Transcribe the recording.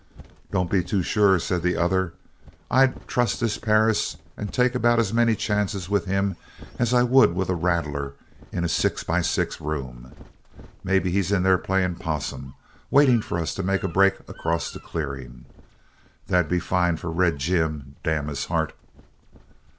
"Don't be too sure," said the other. "I'd trust this Perris and take about as many chances with him as I would with a rattler in a six by six room. Maybe he's in there playing possum. Waiting for us to make a break across the clearing. That'd be fine for Red Jim, damn his heart!"